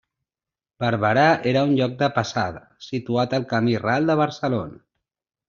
Barberà era un lloc de passada, situat al camí ral de Barcelona.